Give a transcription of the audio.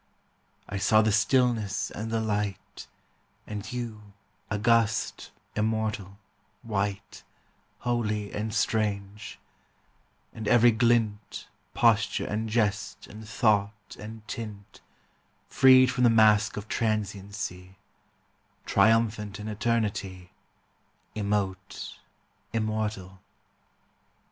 I saw the stillness and the light, And you, august, immortal, white, Holy and strange ; and every glint Posture and jest and thought and tint Freed from the mask of transiency, Triumphant in eternity, Immote, immortal.